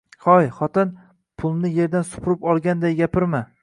Hoy, xotin, pulni erdan supurib olganday gapirma